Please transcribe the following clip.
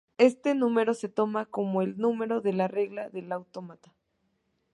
Este número se toma como el número de regla del autómata.